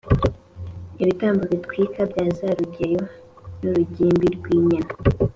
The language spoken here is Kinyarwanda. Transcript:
Ibitambo bitwikwa bya za rugeyo n’urugimbu rw’inyana,